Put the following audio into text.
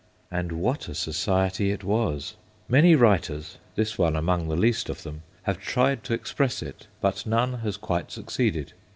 And what a society it was ! Many writers, this one among the least of them, A GREAT SOCIETY 31 have tried to express it, but none has quite succeeded.